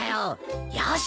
よし！